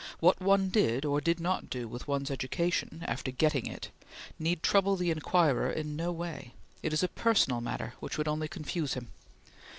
What one did or did not do with one's education, after getting it, need trouble the inquirer in no way; it is a personal matter only which would confuse him.